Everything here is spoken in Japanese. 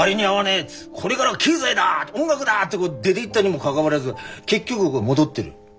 これがらは経済だ音楽だって出ていったにもかかわらず結局戻ってる。